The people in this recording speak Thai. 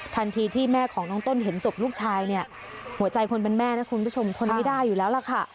ทันทีที่แม่ของน้องต้นเห็นศพลูกชายเนี่ยหัวใจคนเป็นแม่นะคุณผู้ชมทนไม่ได้อยู่แล้วล่ะค่ะ